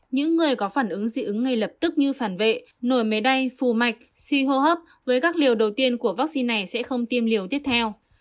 những người có phản ứng dị ứng ngay lập tức như phản vệ nổi máy bay phù mạch suy hô hấp với các liều đầu tiên của vaccine này sẽ không tiêm liều tiếp theo